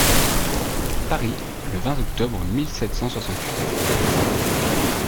Paris, le vingt octobre mille sept cent soixante-huit.